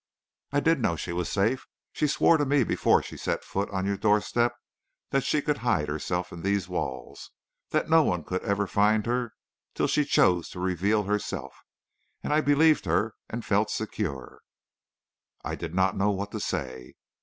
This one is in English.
"'I did know she was safe. She swore to me before she set foot on your doorstep that she could so hide herself in these walls that no one could ever find her till she chose to reveal herself; and I believed her, and felt secure.' "I did not know what to say.